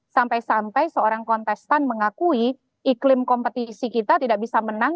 sampai sampai seorang kontestan mengakui iklim kompetisi kita tidak bisa menang